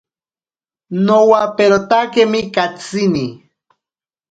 Nowaperotakemi katsini.